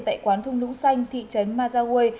tại quán thung lũ xanh thị trấn mazaway